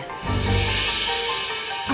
aku boleh ikut gak